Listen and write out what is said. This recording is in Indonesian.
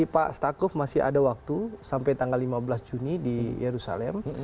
pak stakuf masih ada waktu sampai tanggal lima belas juni di yerusalem